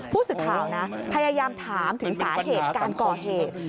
ผู้สื่อข่าวนะพยายามถามถึงสาเหตุการก่อเหตุ